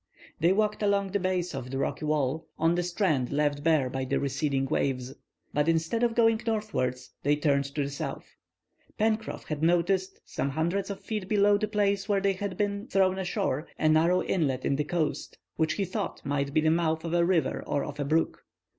They walked along the base of the rocky wall, on the strand left bare by the receding waves. But instead of going northwards, they turned to the south. Pencroff had noticed, some hundreds of feet below the place where they had been thrown ashore, a narrow inlet in the coast, which he thought might be the mouth of a river or of a brook.